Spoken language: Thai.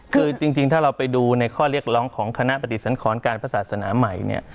คือจริงถ้าเราไปดูในข้อเรียกร้องของคณะปฏิสังขรการพระศาสนาใหม่เนี่ย